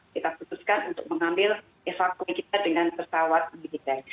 kita putuskan untuk mengambil evakuasi kita dengan pesawat militer